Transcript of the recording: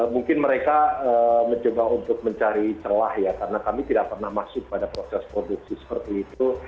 mungkin mereka mencoba untuk mencari celah ya karena kami tidak pernah masuk pada proses produksi seperti itu